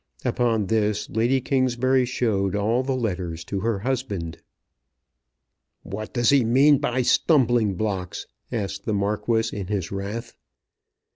Upon this Lady Kingsbury showed all the letters to her husband. "What does he mean by stumbling blocks?" asked the Marquis in his wrath.